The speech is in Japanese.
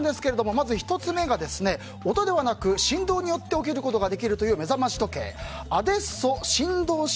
まず１つ目が音ではなく振動によって起きることができる目覚まし時計、ＡＤＥＳＳＯ振動式